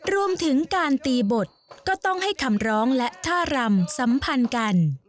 รวมถึงการตีบทก็ต้องให้คำร้องและท่ารำสัมพันธ์กัน